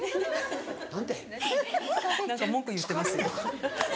何か文句言ってます。